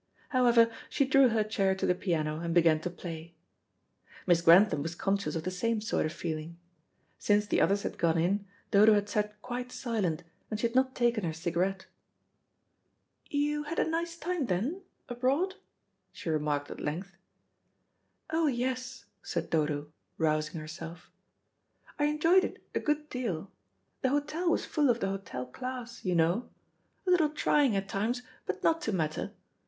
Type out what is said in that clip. However, she drew her chair to the piano and began to play. Miss Grantham was conscious of the same sort of feeling. Since the others had gone in, Dodo had sat quite silent, and she had not taken her cigarette. "You had a nice time then, abroad?" she remarked at length. "Oh, yes," said Dodo, rousing herself. "I enjoyed it a good deal. The hotel was full of the hotel class, you know. A little trying at times, but not to matter.